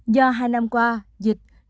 do hai năm qua dịch covid một mươi chín